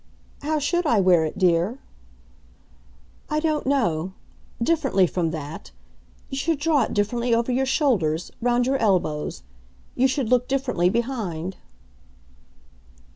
"How should I wear it, dear?" "I don't know; differently from that. You should draw it differently over your shoulders, round your elbows; you should look differently behind."